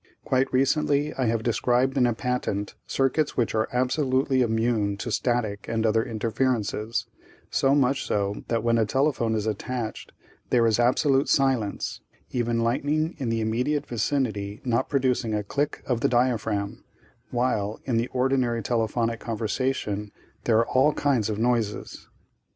Quite recently I have described in a patent, circuits which are absolutely immune to static and other interferences *so much so that when a telephone is attached, there is absolute silence, even lightning in the immediate vicinity not producing a click of the diaphragm, while 'in the ordinary telephonic conversation there are all kinds of noises.